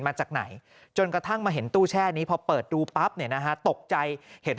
มาจากไหนจนกระทั่งมาเห็นตู้แช่นี้พอเปิดดูปั๊บเนี่ยนะฮะตกใจเห็น